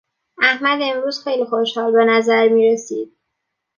احمد امروز خیلی خوشحال به نظر میرسید.